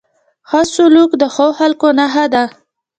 ښه سلوک د ښو خلکو نښه ده.